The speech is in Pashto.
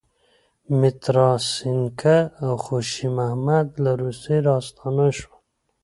متراسینکه او خوشی محمد له روسیې راستانه شول.